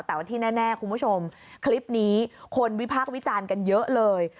แต่ว่าที่แน่คุณผู้ชมคลิปนี้คนวิพากษ์วิจารณ์กันเยอะเลย